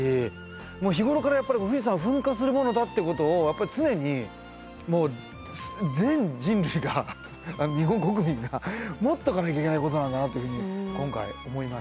もう日頃からやっぱり富士山は噴火するものだってことをやっぱり常にもう全人類が日本国民が持っとかなきゃいけないことなんだなというふうに今回思いました。